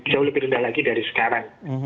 jauh lebih rendah lagi dari sekarang